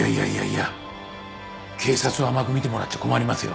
警察を甘く見てもらっちゃ困りますよ。